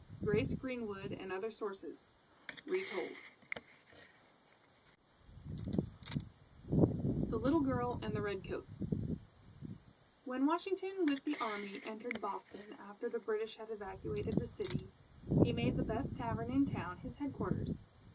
Grace Greenwood and Other Sources (Retold) THE LITTLE GIRL AND THE RED COATS When Washington with the Army entered Boston after the British had evacuated the city, he made the best tavern in town his Headquarters.